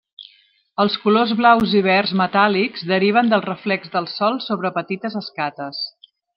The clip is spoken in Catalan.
Els colors blaus i verds metàl·lics deriven del reflex del sol sobre petites escates.